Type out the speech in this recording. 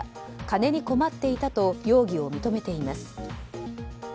金に困っていたと容疑を認めています。